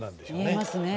見えますね